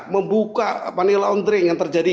membuka laundry yang terjadi